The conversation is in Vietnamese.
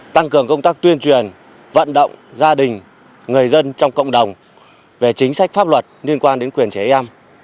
tăng cường công tác tuyên truyền vận động gia đình người dân trong cộng đồng về chính sách pháp luật liên quan đến quyền trẻ em